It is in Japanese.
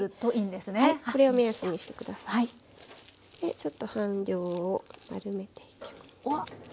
ちょっと半量を丸めていきます。